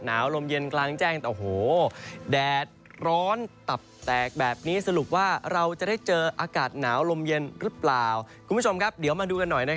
ลมเย็นกลางแจ้งแต่โอ้โหแดดร้อนตับแตกแบบนี้สรุปว่าเราจะได้เจออากาศหนาวลมเย็นหรือเปล่าคุณผู้ชมครับเดี๋ยวมาดูกันหน่อย